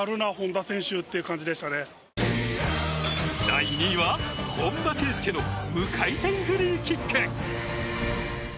第２位は本田圭佑の無回転フリーキック。